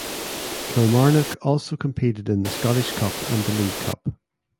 Kilmarnock also competed in the Scottish Cup and the League Cup.